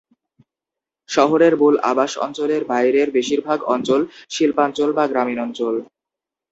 শহরের মূল আবাস অঞ্চলের বাইরের বেশিরভাগ অঞ্চল শিল্পাঞ্চল বা গ্রামীণ অঞ্চল।